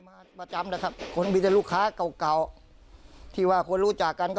โอ้มากเท่าไร